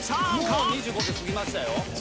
もう２５秒過ぎましたよ